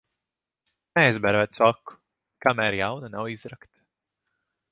Neaizber vecu aku, kamēr jauna nav izrakta.